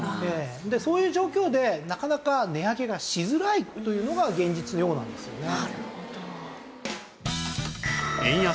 そういう状況でなかなか値上げがしづらいというのが現実のようなんですよね。